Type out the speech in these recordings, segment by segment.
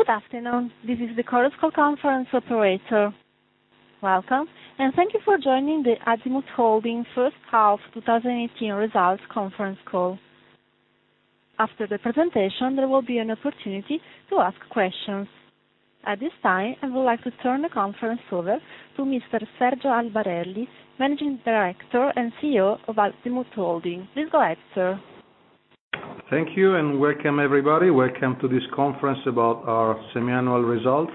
Good afternoon. This is the Chorus Call conference operator. Welcome, thank you for joining the Azimut Holding first half 2018 results conference call. After the presentation, there will be an opportunity to ask questions. At this time, I would like to turn the conference over to Mr. Sergio Albarelli, Managing Director and Chief Executive Officer of Azimut Holding. Please go ahead, sir. Thank you, welcome everybody. Welcome to this conference about our semi-annual results.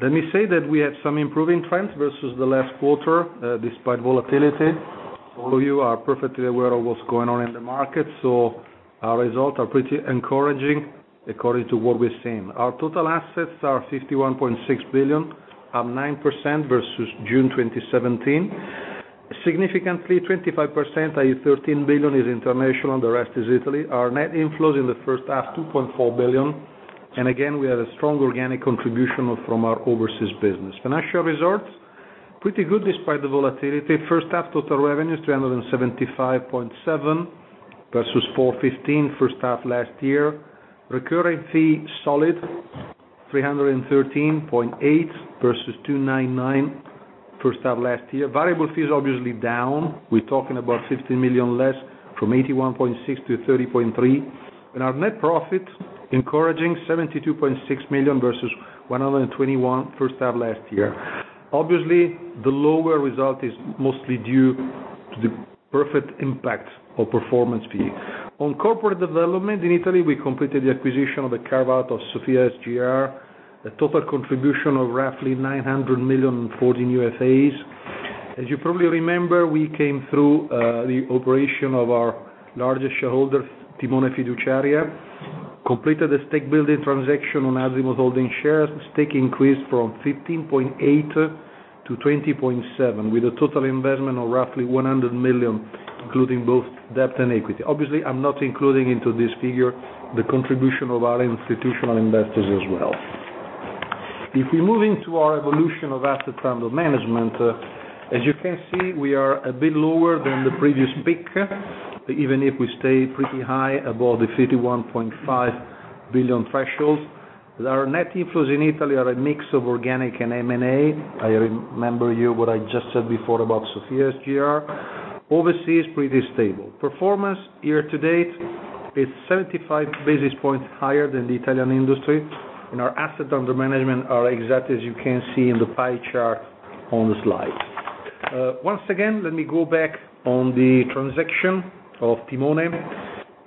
Let me say that we have some improving trends versus the last quarter, despite volatility. All of you are perfectly aware of what's going on in the market, so our results are pretty encouraging according to what we're seeing. Our total assets are 51.6 billion, up 9% versus June 2017. Significantly, 25%, i.e., 13 billion, is international, and the rest is Italy. Our net inflows in the first half, 2.4 billion. Again, we have a strong organic contribution from our overseas business. Financial results, pretty good despite the volatility. First half total revenues, 375.7 versus 415 first half last year. Recurrent fees, solid, 313.8 versus 299 first half last year. Variable fees, obviously down. We're talking about 15 million less, from 81.6 to 30.3. Our net profit, encouraging, 72.6 million versus 121 first half last year. Obviously, the lower result is mostly due to the perfect impact of performance fee. On corporate development in Italy, we completed the acquisition of the carve-out of Sofia SGR, a total contribution of roughly 900 million in 14 UFAs. As you probably remember, we came through the operation of our largest shareholder, Timone Fiduciaria, completed a stake-building transaction on Azimut Holding shares. Stake increased from 15.8% to 20.7%, with a total investment of roughly 100 million, including both debt and equity. Obviously, I'm not including into this figure the contribution of our institutional investors as well. If we move into our evolution of assets under management, as you can see, we are a bit lower than the previous peak, even if we stay pretty high above the 51.5 billion threshold. Our net inflows in Italy are a mix of organic and M&A. I remember you what I just said before about Sofia SGR. Overseas, pretty stable. Performance year to date is 75 basis points higher than the Italian industry, our assets under management are exactly as you can see in the pie chart on the slide. Once again, let me go back on the transaction of Timone.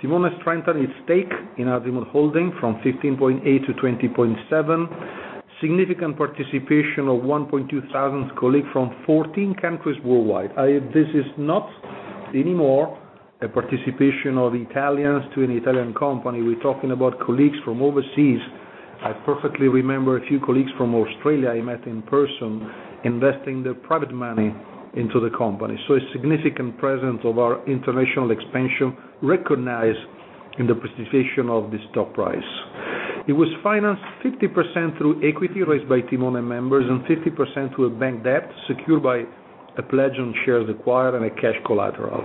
Timone strengthened its stake in Azimut Holding from 15.8% to 20.7%. Significant participation of 1,200 colleagues from 14 countries worldwide. This is not anymore a participation of Italians to an Italian company. We're talking about colleagues from overseas. I perfectly remember a few colleagues from Australia I met in person investing their private money into the company. So a significant presence of our international expansion recognized in the participation of the stock price. It was financed 50% through equity raised by Timone members and 50% through a bank debt secured by a pledge on shares acquired and a cash collateral.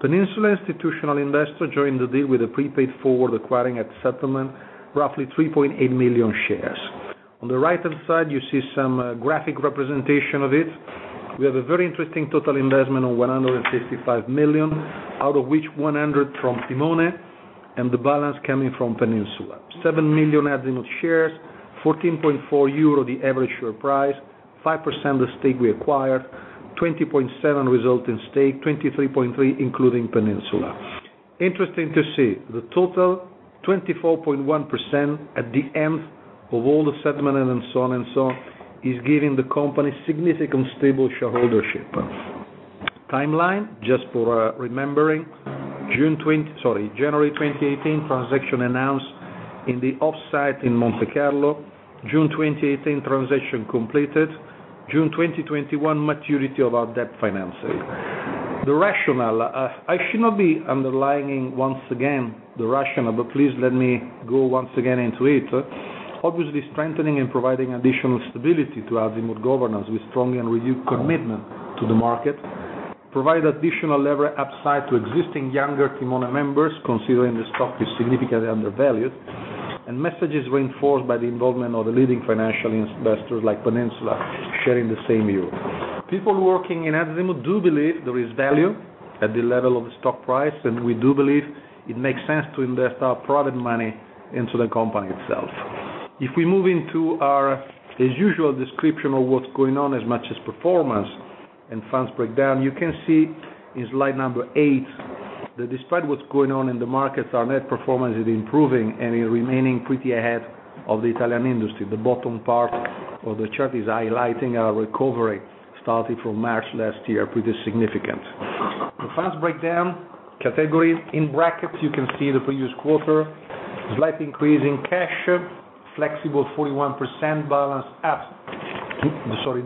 Peninsula Institutional Investors joined the deal with a prepaid forward acquiring at settlement roughly 3.8 million shares. On the right-hand side, you see some graphic representation of it. We have a very interesting total investment of 165 million, out of which 100 million from Timone, and the balance coming from Peninsula. 7 million Azimut shares, 14.4 euro the average share price, 5% of the stake we acquired, 20.7% result in stake, 23.3% including Peninsula. Interesting to see the total 24.1% at the end of all the settlement and so on, is giving the company significant stable shareholdership. Timeline, just for remembering. January 2018, transaction announced in the offsite in Monte Carlo. June 2018, transaction completed. June 2021, maturity of our debt financing. The rationale. I should not be underlining once again the rationale, but please let me go once again into it. Obviously, strengthening and providing additional stability to Azimut governance with strong and renewed commitment to the market. Message is reinforced by the involvement of the leading financial investors like Peninsula, sharing the same view. People working in Azimut do believe there is value at the level of the stock price, and we do believe it makes sense to invest our private money into the company itself. If we move into our, as usual, description of what's going on as much as performance and funds breakdown, you can see in slide number eight that despite what's going on in the markets, our net performance is improving and remaining pretty ahead of the Italian industry. The bottom part of the chart is highlighting our recovery, starting from March last year, pretty significant. The funds breakdown, categories. In brackets, you can see the previous quarter. Slight increase in cash. Flexible, 41%, balance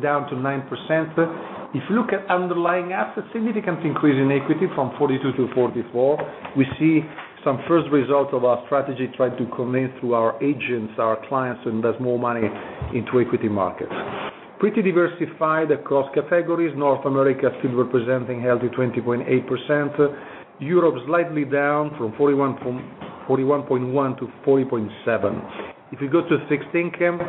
down to 9%. If you look at underlying assets, significant increase in equity from 42% to 44%. We see some first results of our strategy, trying to convince through our agents, our clients, to invest more money into equity markets. Pretty diversified across categories. North America still representing a healthy 20.8%. Europe slightly down from 41.1% to 40.7%. If you go to fixed income,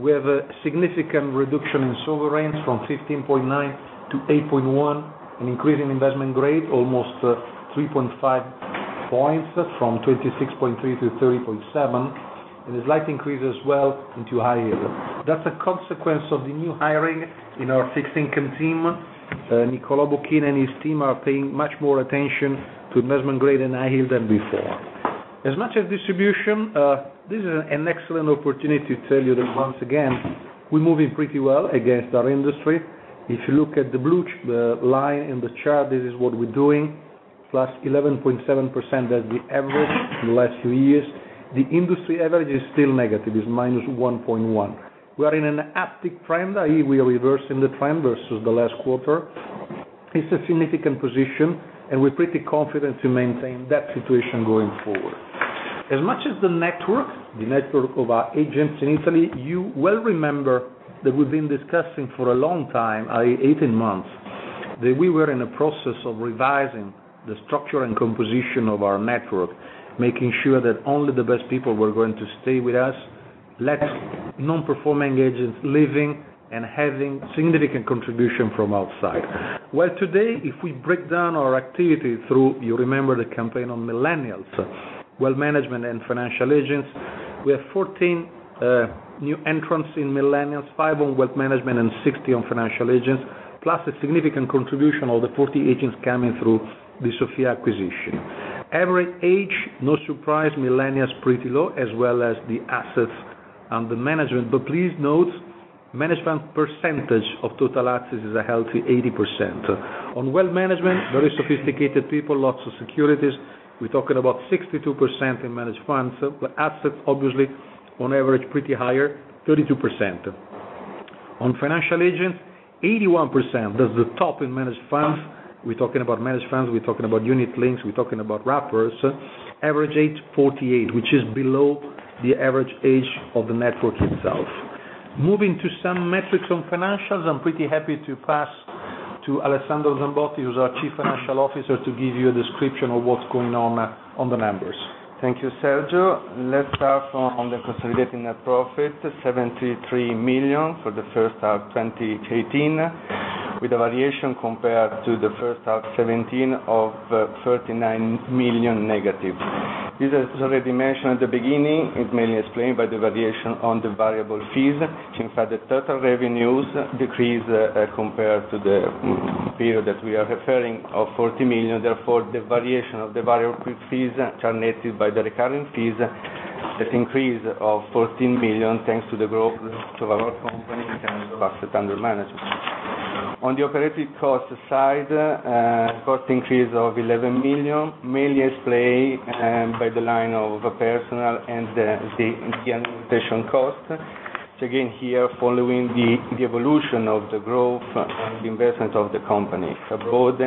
we have a significant reduction in sovereigns from 15.9% to 8.1%, an increase in investment grade, almost 3.5 points from 26.3% to 30.7%, and a slight increase as well into high yield. That's a consequence of the new hiring in our fixed income team. Nicolò Bocchin and his team are paying much more attention to investment grade and high yield than before. As much as distribution, this is an excellent opportunity to tell you that once again, we're moving pretty well against our industry. If you look at the blue line in the chart, this is what we're doing. +11.7% as the average in the last few years. The industry average is still negative, is -1.1%. We are in an uptick trend, i.e., we are reversing the trend versus the last quarter. It's a significant position, and we're pretty confident to maintain that situation going forward. As much as the network, the network of our agents in Italy, you well remember that we've been discussing for a long time, 18 months, that we were in a process of revising the structure and composition of our network, making sure that only the best people were going to stay with us, less non-performing agents leaving and having significant contribution from outside. Today, if we break down our activity through, you remember the campaign on millennials, wealth management, and financial agents, we have 14 new entrants in millennials, five on wealth management, and 60 on financial agents, plus a significant contribution of the 40 agents coming through the Sofia acquisition. Average age, no surprise, millennials pretty low, as well as the assets under management. But please note, managed fund percentage of total assets is a healthy 80%. On wealth management, very sophisticated people, lots of securities. We're talking about 62% in managed funds. Assets, obviously, on average, pretty higher, 32%. On financial agents, 81%, that's the top in managed funds. We're talking about managed funds, we're talking about unit-linked, we're talking about wrappers. Average age 48, which is below the average age of the network itself. Moving to some metrics on financials, I'm pretty happy to pass to Alessandro Zambotti, who's our Chief Financial Officer, to give you a description of what's going on the numbers. Thank you, Sergio. Let's start from on the consolidated net profit, 73 million for the first half 2018, with a variation compared to the first half 2017 of 39 million negative. This is already mentioned at the beginning. It's mainly explained by the variation on the variable fees. In fact, the total revenues decrease as compared to the period that we are referring of 40 million. The variation of the variable fees are netted by the recurring fees, that increase of 14 million, thanks to the growth of our company in terms of assets under management. On the operating cost side, cost increase of 11 million, mainly explained by the line of personnel and the implementation cost. Again, here, following the evolution of the growth and the investment of the company. The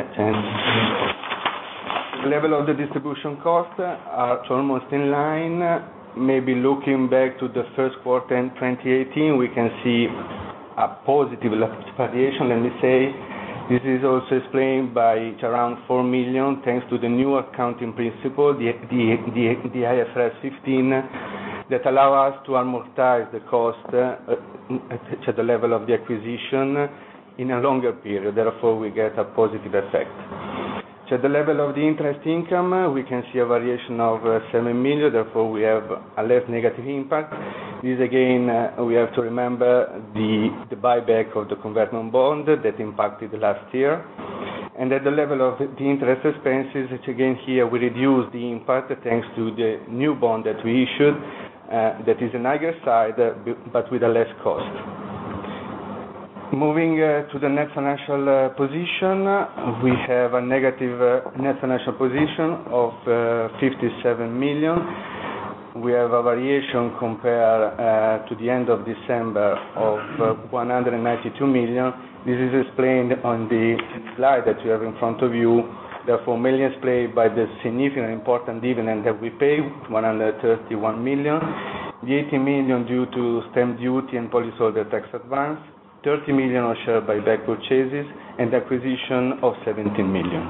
level of the distribution cost are almost in line. Maybe looking back to the first quarter in 2018, we can see a positive variation, let me say. This is also explained by it's around 4 million, thanks to the new accounting principle, the IFRS 15, that allow us to amortize the cost to the level of the acquisition in a longer period, therefore, we get a positive effect. To the level of the interest income, we can see a variation of 7 million, therefore, we have a less negative impact. This again, we have to remember the buyback of the convertible bond that impacted last year. At the level of the interest expenses, which again here, we reduce the impact, thanks to the new bond that we issued, that is on the higher side, but with a less cost. Moving to the net financial position, we have a negative net financial position of 57 million. We have a variation compared to the end of December of 192 million. This is explained on the slide that you have in front of you. Mainly explained by the significant important dividend that we paid, 131 million. The 18 million due to stamp duty and policyholder tax advance, 30 million are shared by buyback purchases, and acquisition of 17 million.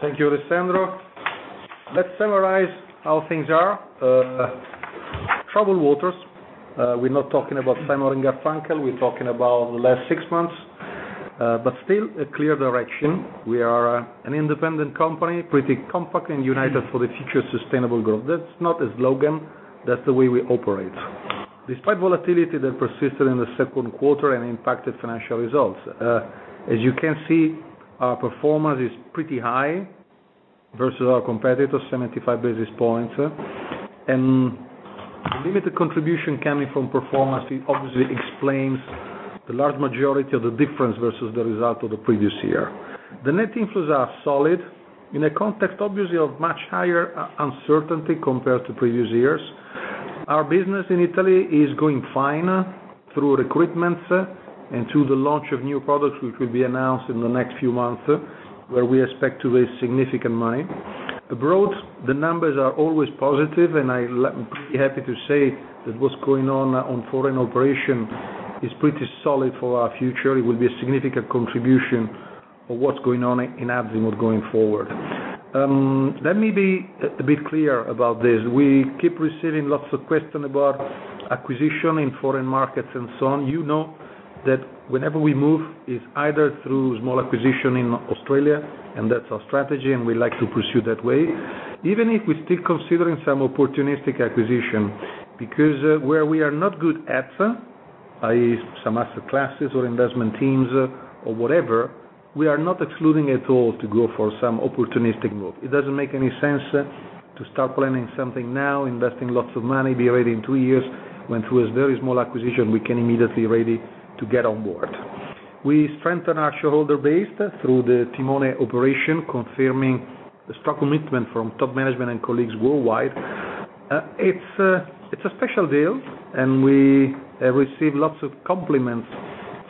Thank you, Alessandro. Let's summarize how things are. Troubled waters. We're not talking about Simon & Garfunkel, we're talking about the last six months. Still a clear direction. We are an independent company, pretty compact and united for the future sustainable growth. That's not a slogan. That's the way we operate. Despite volatility that persisted in the second quarter and impacted financial results, as you can see, our performance is pretty high versus our competitors, 75 basis points. Limited contribution coming from performance obviously explains the large majority of the difference versus the result of the previous year. The net inflows are solid in a context, obviously, of much higher uncertainty compared to previous years. Our business in Italy is going fine through recruitments and through the launch of new products, which will be announced in the next few months, where we expect to raise significant money. Abroad, the numbers are always positive. I'm pretty happy to say that what's going on foreign operation is pretty solid for our future. It will be a significant contribution of what's going on in Azimut going forward. Let me be a bit clear about this. We keep receiving lots of questions about acquisition in foreign markets and so on. You know that whenever we move, it's either through small acquisition in Australia, that's our strategy, and we like to pursue that way. Even if we still considering some opportunistic acquisition, because where we are not good at, i.e., some asset classes or investment teams or whatever, we are not excluding at all to go for some opportunistic move. It doesn't make any sense to start planning something now, investing lots of money, be ready in 2 years, when through a very small acquisition, we can immediately ready to get on board. We strengthen our shareholder base through the Timone operation, confirming the strong commitment from top management and colleagues worldwide. It's a special deal. We receive lots of compliments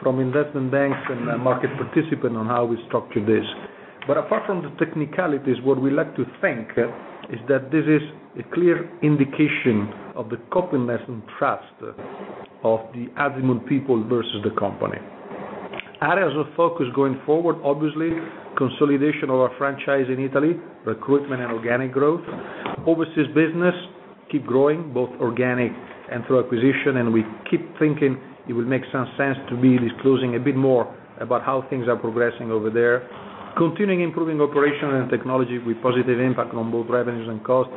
from investment banks and market participant on how we structured this. Apart from the technicalities, what we like to think is that this is a clear indication of the commitment and trust of the Azimut people versus the company. Areas of focus going forward, obviously, consolidation of our franchise in Italy, recruitment and organic growth. Overseas business, keep growing, both organic and through acquisition. We keep thinking it will make some sense to be disclosing a bit more about how things are progressing over there. Continuing improving operation and technology with positive impact on both revenues and cost.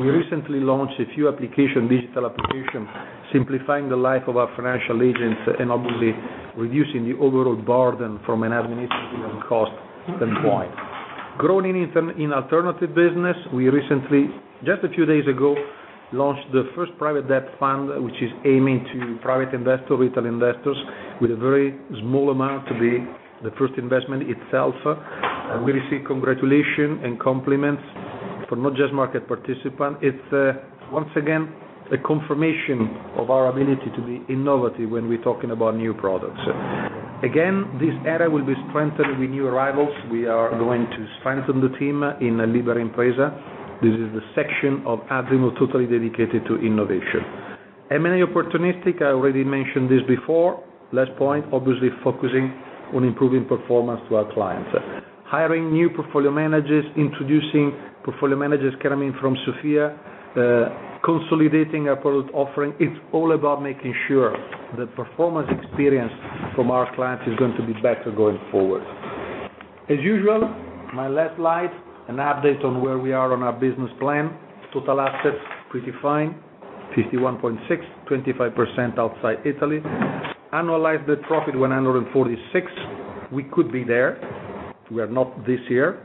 We recently launched a few applications, digital applications, simplifying the life of our financial agents and obviously reducing the overall burden from an administrative cost standpoint. Growing in alternative business. We recently, just a few days ago, launched the first private debt fund, which is aiming to private investors, retail investors, with a very small amount to be the first investment itself. We receive congratulation and compliments from not just market participants. It's, once again, a confirmation of our ability to be innovative when we're talking about new products. Again, this area will be strengthened with new arrivals. We are going to strengthen the team in Libera Impresa. This is the section of Azimut totally dedicated to innovation. M&A opportunistic. I already mentioned this before. Last point, obviously focusing on improving performance to our clients. Hiring new portfolio managers, introducing portfolio managers coming from Sofia SGR, consolidating our product offering. It's all about making sure that performance experience from our clients is going to be better going forward. As usual, my last slide, an update on where we are on our business plan. Total assets, pretty fine, 51.6, 25% outside Italy. Annualized net profit 146. We could be there. We are not this year.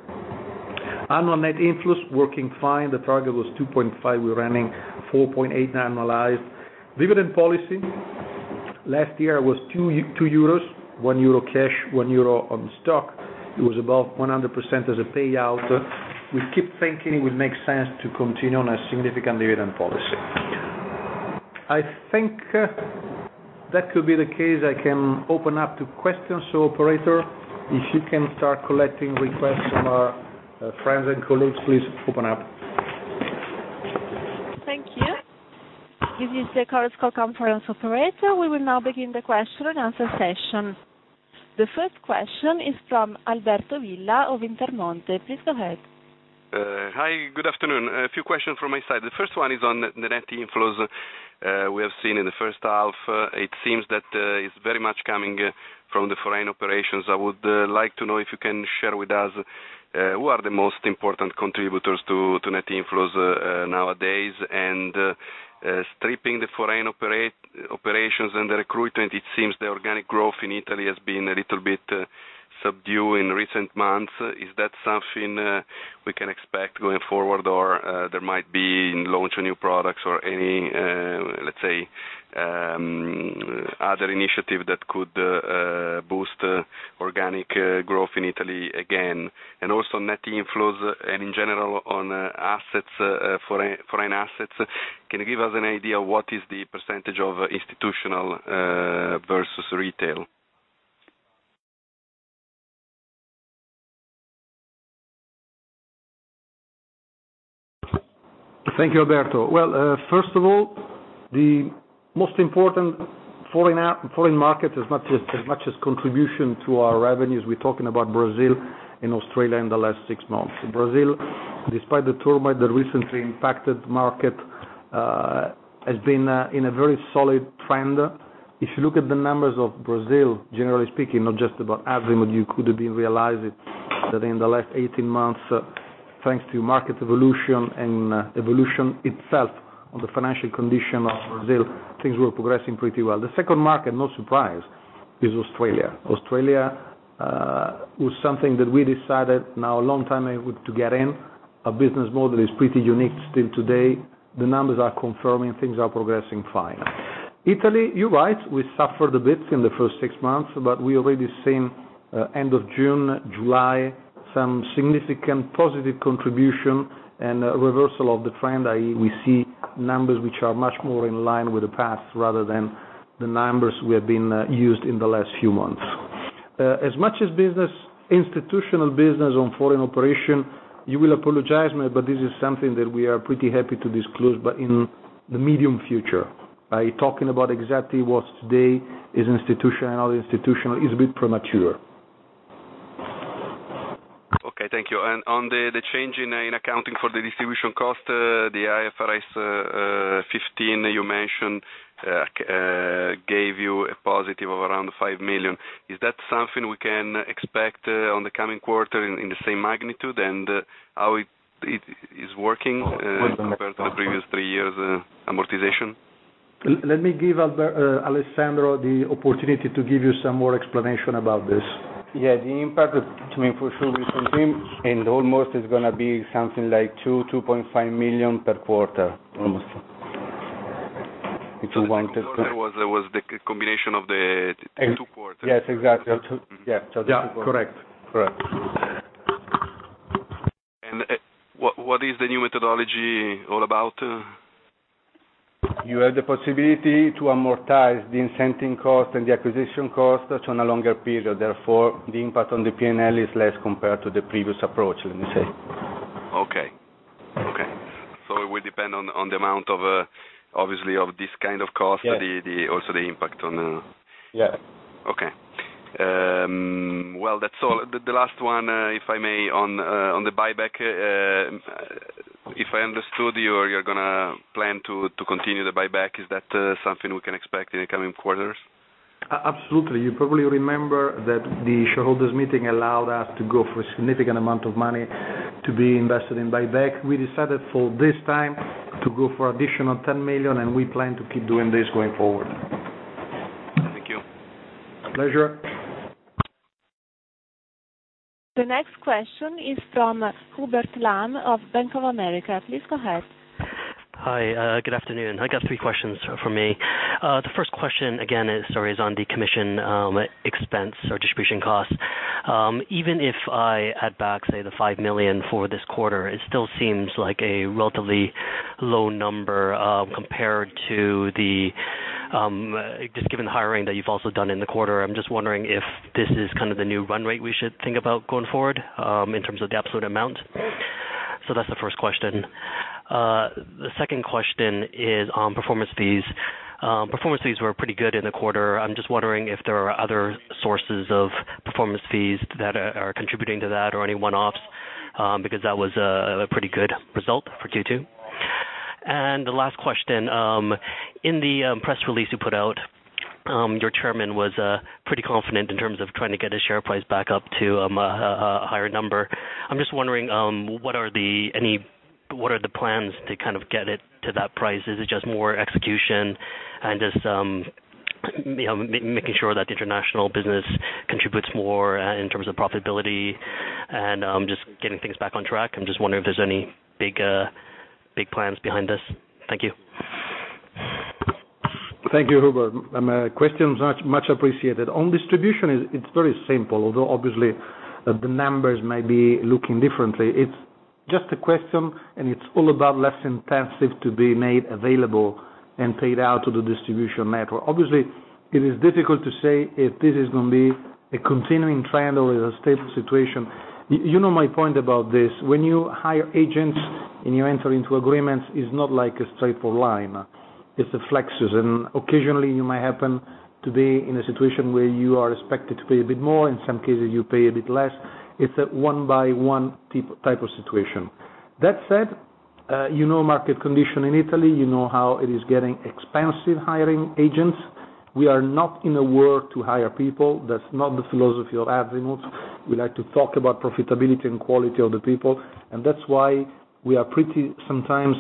Annual net inflows working fine. The target was 2.5. We're running 4.8 annualized. Dividend policy. Last year was 2 euros, 1 euro cash, 1 euro on stock. It was above 100% as a payout. We keep thinking it would make sense to continue on a significant dividend policy. I think that could be the case. I can open up to questions. Operator, if you can start collecting requests from our friends and colleagues, please open up. Thank you. This is the conference call conference operator. We will now begin the question and answer session. The first question is from Alberto Villa of Intermonte. Please go ahead. Hi. Good afternoon. A few questions from my side. The first one is on the net inflows we have seen in the first half. It seems that it's very much coming from the foreign operations. I would like to know if you can share with us who are the most important contributors to net inflows nowadays. Stripping the foreign operations and the recruitment, it seems the organic growth in Italy has been a little bit subdued in recent months. Is that something we can expect going forward, or there might be launch of new products or any, let's say, other initiative that could boost organic growth in Italy again? Also net inflows and in general on foreign assets. Can you give us an idea what is the percentage of institutional versus retail? Thank you, Alberto. Well, first of all, the most important foreign market is not just as much as contribution to our revenues. We are talking about Brazil and Australia in the last 6 months. Brazil, despite the turmoil that recently impacted market, has been in a very solid trend. If you look at the numbers of Brazil, generally speaking, not just about Azimut, you could have been realized it that in the last 18 months, thanks to market evolution and evolution itself on the financial condition of Brazil, things were progressing pretty well. The second market, no surprise, is Australia. Australia was something that we decided now a long time ago to get in. Our business model is pretty unique still today. The numbers are confirming things are progressing fine. Italy, you are right, we suffered a bit in the first six months, but we already seen end of June, July, some significant positive contribution and reversal of the trend, i.e., we see numbers which are much more in line with the past rather than the numbers we have been used in the last few months. As much as institutional business on foreign operation, you will apologize me, but this is something that we are pretty happy to disclose, but in the medium future, talking about exactly what today is institutional, is a bit premature. Okay, thank you. On the change in accounting for the distribution cost, the IFRS 15, you mentioned, gave you a positive of around 5 million. Is that something we can expect on the coming quarter in the same magnitude, and how it is working compared to the previous three years amortization? Let me give Alessandro the opportunity to give you some more explanation about this. Yeah, the impact is to make for sure we confirm, almost is going to be something like 2, 2.5 million per quarter. That was the combination of the two quarters. Yes, exactly. Yeah. Yeah. Correct. What is the new methodology all about? You have the possibility to amortize the incentive cost and the acquisition cost on a longer period. Therefore, the impact on the P&L is less compared to the previous approach, let me say. Okay. It will depend on the amount, obviously, of this kind of cost. Yes. Also the impact on the Yeah. Okay. Well, that's all. The last one, if I may, on the buyback. If I understood you're going to plan to continue the buyback. Is that something we can expect in the coming quarters? Absolutely. You probably remember that the shareholders' meeting allowed us to go for a significant amount of money to be invested in buyback. We decided for this time to go for additional 10 million. We plan to keep doing this going forward. Thank you. A pleasure. The next question is from Hubert Lahn of Bank of America. Please go ahead. Hi. Good afternoon. I got three questions from me. The first question, again, sorry, is on the commission expense or distribution cost. Even if I add back, say, the 5 million for this quarter, it still seems like a relatively low number compared to the Just given the hiring that you've also done in the quarter. I'm just wondering if this is kind of the new run rate we should think about going forward, in terms of the absolute amount. That's the first question. The second question is on performance fees. Performance fees were pretty good in the quarter. I'm just wondering if there are other sources of performance fees that are contributing to that or any one-offs, because that was a pretty good result for Q2. The last question, in the press release you put out, your chairman was pretty confident in terms of trying to get his share price back up to a higher number. I'm just wondering, what are the plans to get it to that price? Is it just more execution and just making sure that the international business contributes more in terms of profitability and just getting things back on track? I'm just wondering if there's any big plans behind this. Thank you. Thank you, Hubert. Questions much appreciated. On distribution, it's very simple, although obviously the numbers may be looking differently. It's just a question, and it's all about less intensive to be made available and paid out to the distribution network. Obviously, it is difficult to say if this is going to be a continuing trend or is a stable situation. You know my point about this. When you hire agents and you enter into agreements, it's not like a straight line. It's a flexes, and occasionally, you might happen to be in a situation where you are expected to pay a bit more. In some cases, you pay a bit less. It's a one by one type of situation. That said, you know market condition in Italy, you know how it is getting expensive hiring agents. We are not in a war to hire people. That's not the philosophy of Azimut. We like to talk about profitability and quality of the people, and that's why we are pretty sometimes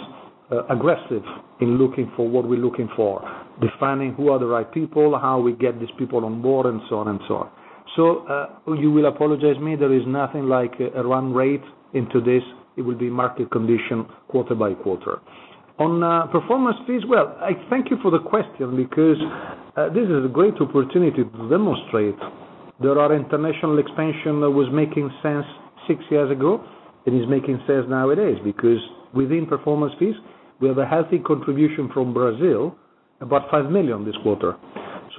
aggressive in looking for what we're looking for. Defining who are the right people, how we get these people on board, and so on. You will apologize me, there is nothing like a run rate into this. It will be market condition quarter by quarter. On performance fees, well, I thank you for the question because this is a great opportunity to demonstrate that our international expansion that was making sense 6 years ago, it is making sense nowadays. Within performance fees, we have a healthy contribution from Brazil, about 5 million this quarter.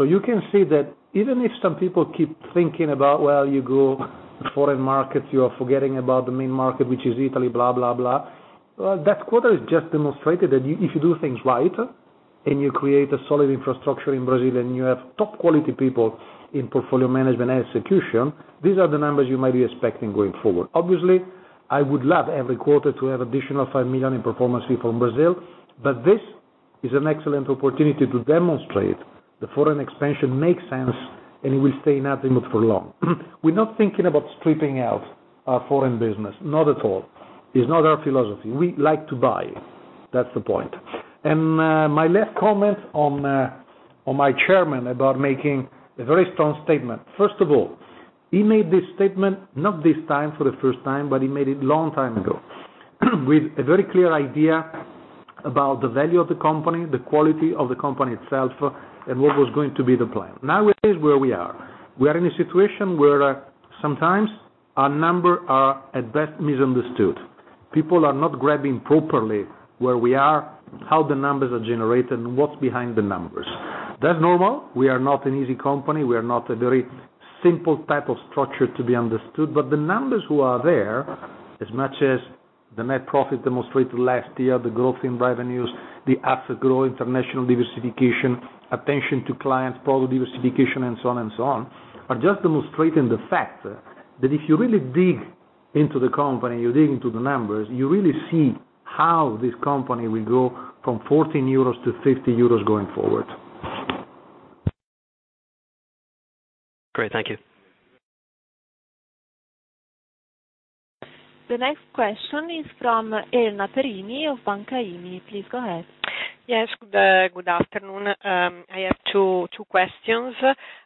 You can see that even if some people keep thinking about, well, you go foreign markets, you are forgetting about the main market, which is Italy. Well, that quarter has just demonstrated that if you do things right and you create a solid infrastructure in Brazil, and you have top quality people in portfolio management and execution, these are the numbers you might be expecting going forward. I would love every quarter to have additional 5 million in performance fee from Brazil. This is an excellent opportunity to demonstrate the foreign expansion makes sense, and it will stay in Azimut for long. We're not thinking about stripping out our foreign business, not at all. It's not our philosophy. We like to buy. That's the point. My last comment on my chairman about making a very strong statement. He made this statement not this time for the first time. He made it long time ago with a very clear idea about the value of the company, the quality of the company itself, and what was going to be the plan. It is where we are. We are in a situation where sometimes our numbers are at best misunderstood. People are not grabbing properly where we are, how the numbers are generated, and what's behind the numbers. That's normal. We are not an easy company. We are not a very simple type of structure to be understood. The numbers who are there, as much as the net profit demonstrated last year, the growth in revenues, the asset growth, international diversification, attention to clients, product diversification, and so on, are just demonstrating the fact that if you really dig into the company, you dig into the numbers, you really see how this company will go from 14 euros to 50 euros going forward. Great. Thank you. The next question is from Elena Perini of Banca IMI. Please go ahead. Yes. Good afternoon. I have two questions.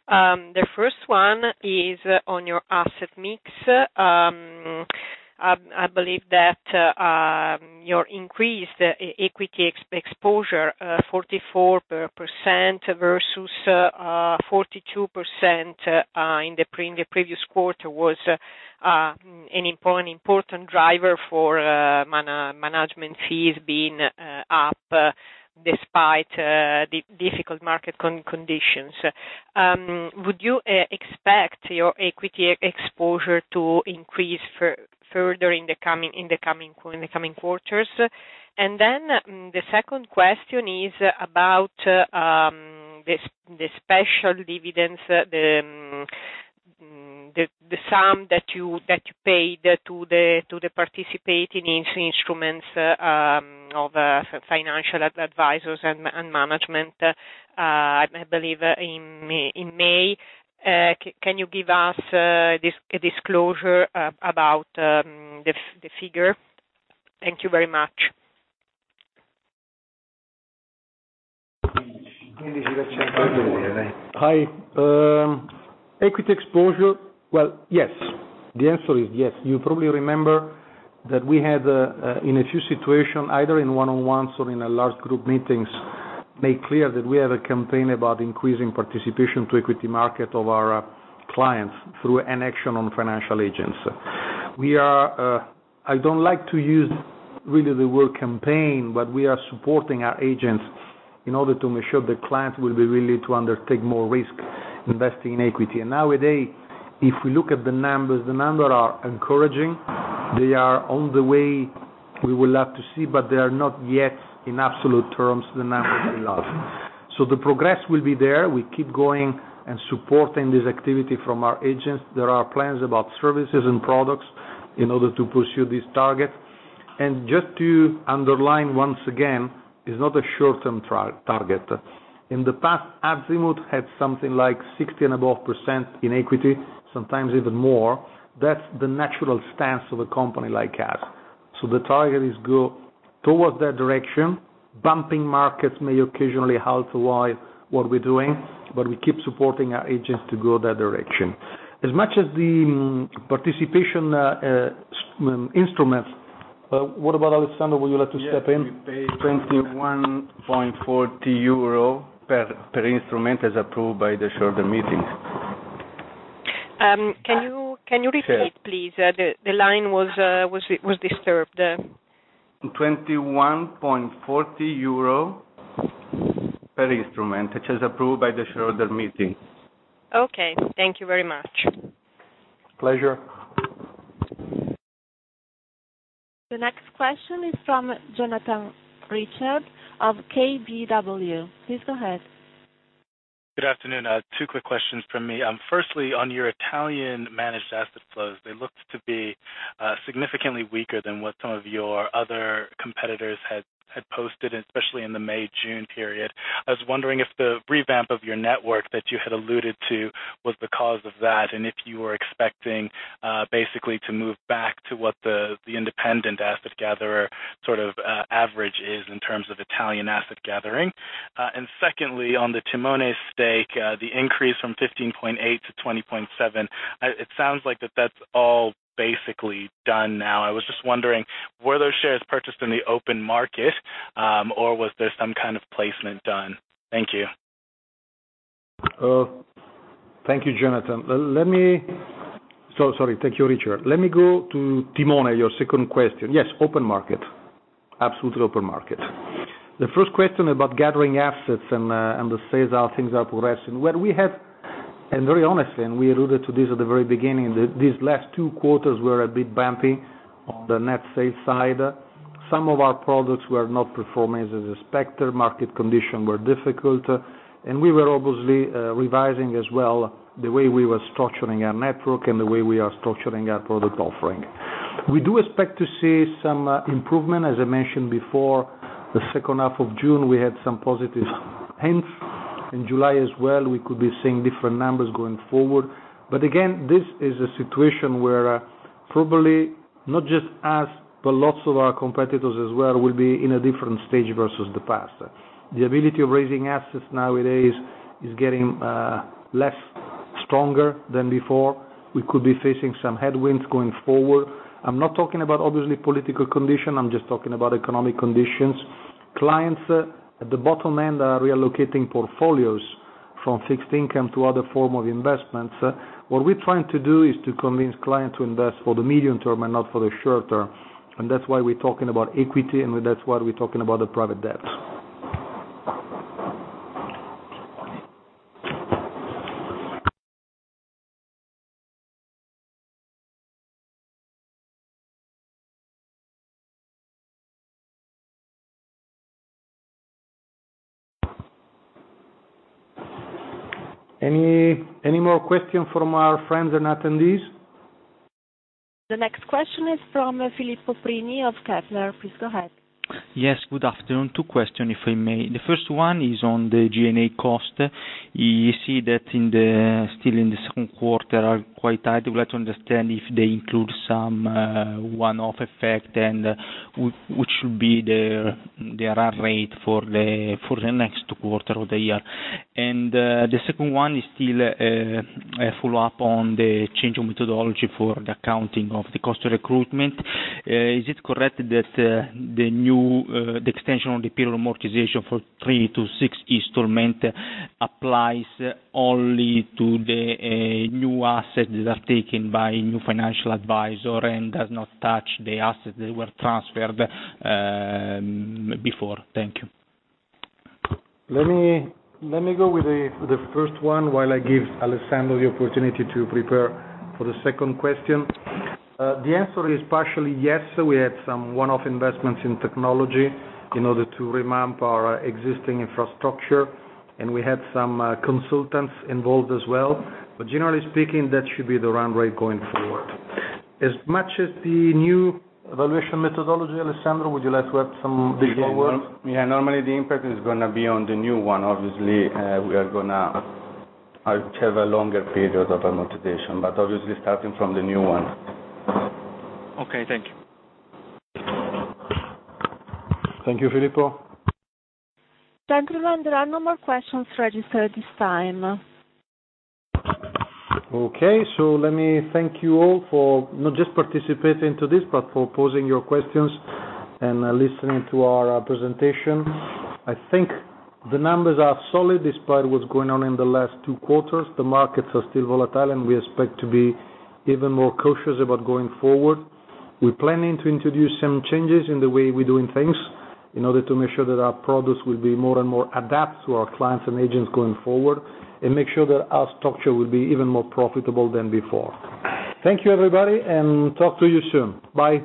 The first one is on your asset mix. I believe that your increased equity exposure, 44% versus 42% in the previous quarter, was an important driver for management fees being up despite difficult market conditions. Would you expect your equity exposure to increase further in the coming quarters? The second question is about the special dividends, the sum that you paid to the participating instruments of financial advisors and management, I believe in May. Can you give us a disclosure about the figure? Thank you very much. Hi. Equity exposure. Well, yes. The answer is yes. You probably remember that we had, in a few situation, either in one-on-ones or in a large group meetings, made clear that we have a campaign about increasing participation to equity market of our clients through an action on financial agents. I don't like to use really the word campaign, but we are supporting our agents in order to make sure the clients will be willing to undertake more risk investing in equity. Nowadays, if we look at the numbers, the numbers are encouraging. They are on the way we would love to see, but they are not yet, in absolute terms, the numbers we love. The progress will be there. We keep going and supporting this activity from our agents. There are plans about services and products in order to pursue this target. Just to underline once again, it's not a short-term target. In the past, Azimut had something like 60% and above in equity, sometimes even more. That's the natural stance of a company like us. The target is go towards that direction. Bumping markets may occasionally halt what we're doing, but we keep supporting our agents to go that direction. As much as the participating instruments, what about Alessandro, would you like to step in? Yes, we paid 21.40 euro per instrument, as approved by the shareholder meetings. Can you repeat, please? The line was disturbed. 21.40 euro per instrument, which is approved by the shareholder meeting. Okay. Thank you very much. Pleasure. The next question is from Jonathan Richard of KBW. Please go ahead. Good afternoon. Two quick questions from me. Firstly, on your Italian managed asset flows, they looked to be significantly weaker than what some of your other competitors had posted, especially in the May, June period. I was wondering if the revamp of your network that you had alluded to was the cause of that, and if you were expecting basically to move back to what the independent asset gatherer sort of average is in terms of Italian asset gathering. Secondly, on the Timone stake, the increase from 15.8 to 20.7. It sounds like that's all basically done now. I was just wondering, were those shares purchased in the open market, or was there some kind of placement done? Thank you. Thank you, Jonathan. So sorry. Thank you, Richard. Let me go to Timone, your second question. Yes, open market. Absolutely open market. The first question about gathering assets and the sales, how things are progressing. What we have, and very honestly, and we alluded to this at the very beginning, these last two quarters were a bit bumpy on the net sales side. Some of our products were not performing as expected. Market condition were difficult. We were obviously revising as well the way we were structuring our network and the way we are structuring our product offering. We do expect to see some improvement. As I mentioned before, the second half of June, we had some positive hints. In July as well, we could be seeing different numbers going forward. Again, this is a situation where probably not just us, but lots of our competitors as well, will be in a different stage versus the past. The ability of raising assets nowadays is getting less stronger than before. We could be facing some headwinds going forward. I'm not talking about obviously political condition. I'm just talking about economic conditions. Clients at the bottom end are reallocating portfolios from fixed income to other form of investments. What we're trying to do is to convince clients to invest for the medium term and not for the short term, and that's why we're talking about equity, and that's why we're talking about the private debt. Any more questions from our friends and attendees? The next question is from Filippo Prini of Kepler. Please go ahead. Yes, good afternoon. Two question, if I may. The first one is on the G&A cost. You see that still in the second quarter are quite high. I'd like to understand if they include some one-off effect and which should be the run rate for the next quarter of the year. The second one is still a follow-up on the change of methodology for the accounting of the cost of recruitment. Is it correct that the extension of the period amortization for three to six installment applies only to the new assets that are taken by new financial advisor and does not touch the assets that were transferred before? Thank you. Let me go with the first one while I give Alessandro the opportunity to prepare for the second question. The answer is partially yes. We had some one-off investments in technology in order to revamp our existing infrastructure, and we had some consultants involved as well. Generally speaking, that should be the run rate going forward. As much as the new evaluation methodology, Alessandro, would you like to add some detail work? Yeah, normally the impact is going to be on the new one. Obviously we are going to have a longer period of amortization, but obviously starting from the new one. Okay, thank you. Thank you, Filippo. Thank you. There are no more questions registered at this time. Okay, let me thank you all for not just participating to this, but for posing your questions and listening to our presentation. I think the numbers are solid despite what's going on in the last two quarters. The markets are still volatile, and we expect to be even more cautious about going forward. We're planning to introduce some changes in the way we're doing things in order to make sure that our products will be more and more adapt to our clients and agents going forward, and make sure that our structure will be even more profitable than before. Thank you, everybody, and talk to you soon. Bye-bye.